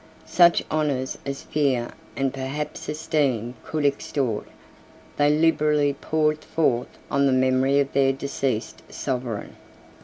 Such honors as fear and perhaps esteem could extort, they liberally poured forth on the memory of their deceased sovereign.